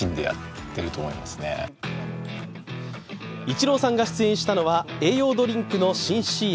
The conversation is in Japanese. イチローさんが出演したのは、栄養ドリンクの新ＣＭ。